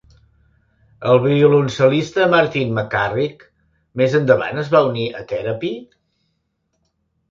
El violoncel·lista, Martin McCarrick, més endavant es va unir a Therapy?